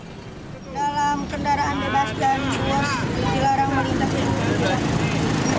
dalam kendaraan bebas dan luas dilarang melintas di jalur puncak